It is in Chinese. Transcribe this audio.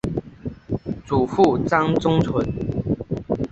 祖父张宗纯。